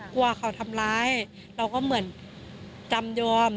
กลัวเขาทำร้ายเราก็เหมือนจำยอม